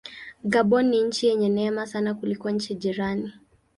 Gabon ni nchi yenye neema sana kuliko nchi jirani.